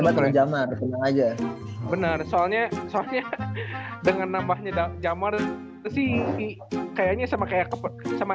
batre jamar aja bener soalnya soalnya dengan nambahnya jamar sih kayaknya sama kayak sama